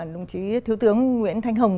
đồng chí thứ tướng nguyễn thanh hồng